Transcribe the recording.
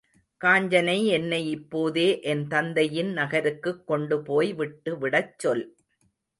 காஞ்சனை என்னை இப்போதே என் தந்தையின் நகருக்குக் கொண்டு போய் விட்டுவிடச் சொல்!